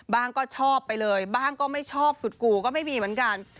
ก็ชอบไปเลยบ้างก็ไม่ชอบสุดกู่ก็ไม่มีเหมือนกัน